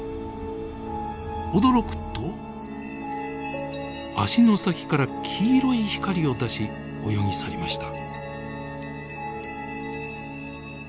驚くと足の先から黄色い光を出し泳ぎ去りました。